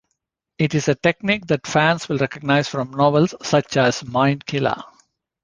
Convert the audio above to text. It is a technique that fans will recognize from novels such as "Mindkiller".